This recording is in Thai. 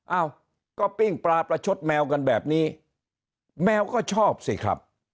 เอ้าก็ปิ้งปลาประชดแมวกันแบบนี้แมวก็ชอบสิครับ